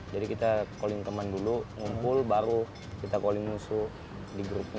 jadi kita calling temen dulu ngumpul baru kita calling musuh di grupnya